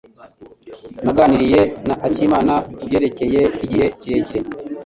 Naganiriye na akimana kubyerekeye igihe kirekire.